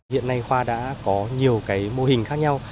hiện nay khoa đã có nhiều cái mô hình khác nhau